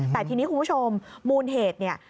แต่ทีนี้คุณผู้ชมมูลเหตุเนี่ย